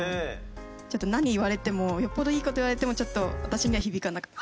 ちょっと何言われてもよっぽどいい事言われてもちょっと私には響かないかなと。